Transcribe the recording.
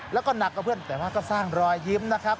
แล้วก็หนักกว่าเพื่อนแต่ว่าก็สร้างรอยยิ้มนะครับ